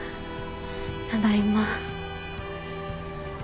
ただいま。